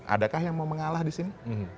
adakah yang mau mengalah di sini